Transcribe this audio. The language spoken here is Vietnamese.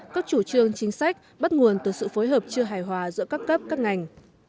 các chủ trương chính sách bắt nguồn từ sự phối hợp chưa hài hòa giữa các cấp các ngành